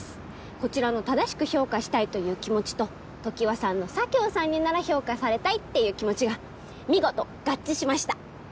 こちらの正しく評価したいという気持ちと常盤さんの佐京さんになら評価されたいっていう気持ちが見事合致しました